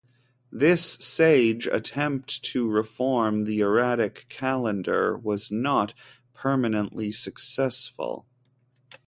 This sage attempt to reform the erratic calendar was not permanently successful.